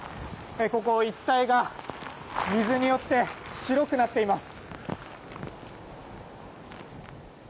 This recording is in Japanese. ここ一帯が水によって白くなっています。